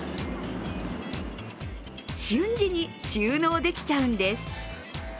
瞬時に収納できちゃうんです。